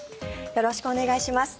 よろしくお願いします。